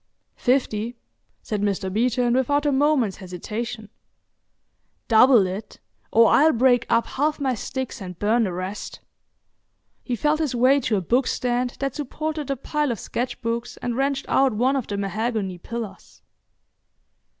"Fifty," said Mr. Beeton, without a moment's hesitation. "Double it; or I'll break up half my sticks and burn the rest." He felt his way to a bookstand that supported a pile of sketch books, and wrenched out one of the mahogany pillars.